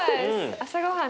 朝ごはん。